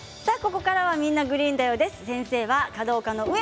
ここからは「みんな！グリーンだよ」です。